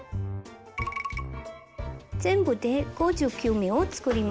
全部で５９目を作ります。